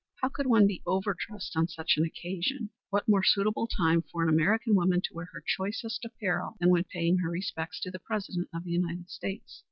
How could one be overdressed on such an occasion? What more suitable time for an American woman to wear her choicest apparel than when paying her respects to the President of the United States?